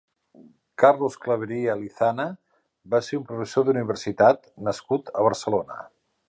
Carlos Clavería Lizana va ser un professor d'universitat nascut a Barcelona.